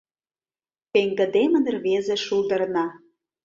Пеҥгыдемын рвезе шулдырна.